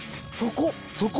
そこ！